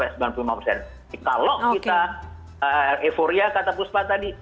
kalau kita euforia kata puspa tadi